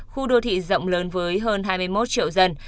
khu đô thị rộng lớn với hơn hai mươi một triệu dân